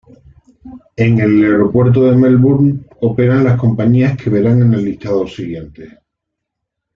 En el Aeropuerto de Melbourne, operan las compañías que verán en el listado siguiente.